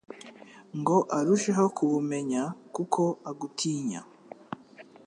ngo arusheho kubumenya kuko agutinya?